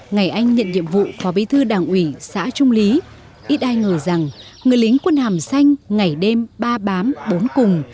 ngày anh nhận nhiệm vụ phó bí thư đảng ủy xã trung lý ít ai ngờ rằng người lính quân hàm xanh ngày đêm ba bám bốn cùng